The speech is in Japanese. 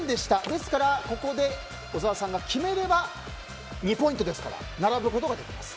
ですからここで小沢さんが決めれば２ポイントですから並ぶことができます。